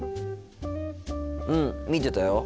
うん見てたよ。